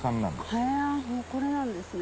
へぇこれなんですね。